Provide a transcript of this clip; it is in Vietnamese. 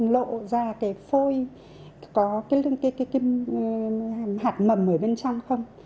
lộ ra cái phôi có cái hạt mầm ở bên trong không